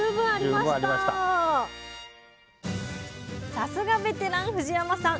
さすがベテラン藤山さん。